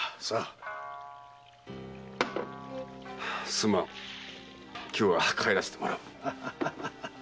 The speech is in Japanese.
すまん今日は帰らせてもらう。